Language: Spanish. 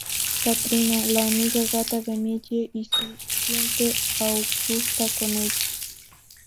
Katrina: la amiga gata de Millie y se siente augusta con ella.